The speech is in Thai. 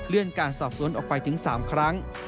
เลื่อนการสอบสวนออกไปถึง๓ครั้ง